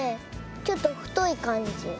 ちょっとふといかんじ。